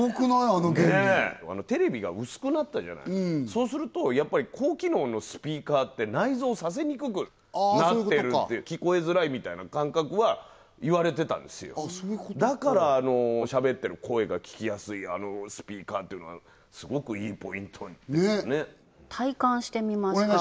あの原理ねぇテレビが薄くなったじゃないそうするとやっぱり高機能のスピーカーって内蔵させにくくなってるって聴こえづらいみたいな感覚は言われてたんですよだからあのしゃべってる声が聴きやすいあのスピーカーっていうのはすごくいいポイントですよね体感してみますか？